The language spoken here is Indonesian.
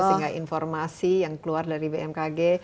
sehingga informasi yang keluar dari bmkg